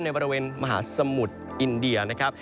ในบริเวณมหาสมุทรอินเดียนะครับ